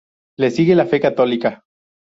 Le sigue la fe católica.